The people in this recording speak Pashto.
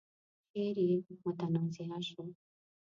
شعر يې متنازعه شو.